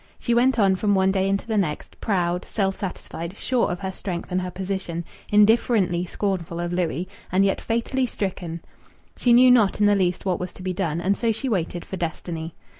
She went on from one day into the next, proud, self satisfied, sure of her strength and her position, indifferently scornful of Louis, and yet fatally stricken; she knew not in the least what was to be done, and so she waited for Destiny.